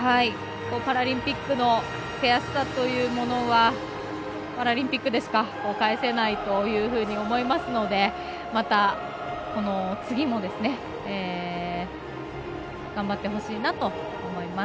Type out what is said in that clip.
パラリンピックの悔しさというものはパラリンピックでしか返せないと思いますのでまた次も頑張ってほしいなと思います。